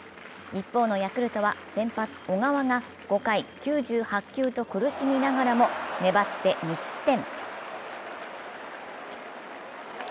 一方のヤクルトは先発・小川が５回９８球と苦しみながらも粘って２失点。